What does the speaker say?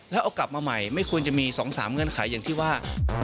แล้วเอากลับมาใหม่ไม่ควรจะมี๒๓เงื่อนไขอย่างที่ว่า